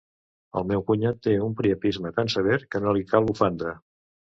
El meu cunyat té un priapisme tan sever que no li cal bufanda.